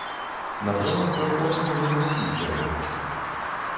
На прылаўках у асноўным расійская грэчка.